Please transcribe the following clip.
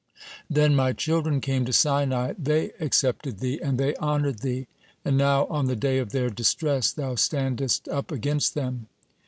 (34) Then my children came to Sinai, they accepted thee, and they honored thee. And now, on the day of their distress, thou standest up against them?"